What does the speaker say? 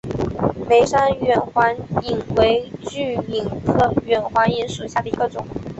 梅山远环蚓为巨蚓科远环蚓属下的一个种。